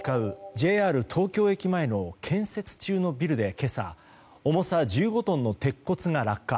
ＪＲ東京駅前の建設中のビルで今朝重さ１５トンの鉄骨が落下。